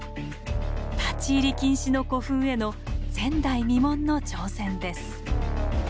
立ち入り禁止の古墳への前代未聞の挑戦です。